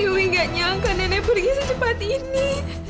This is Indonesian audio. tapi gak nyangka nenek pergi secepat ini